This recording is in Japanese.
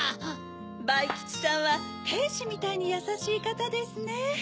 バイきちさんはてんしみたいにやさしいかたですね。